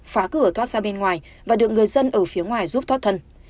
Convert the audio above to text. phá cửa thoát ra bên ngoài và được người dân ở phía ngoài giúp thoát thân